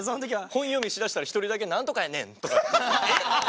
本読みしだしたら１人だけ「やねん！」とか。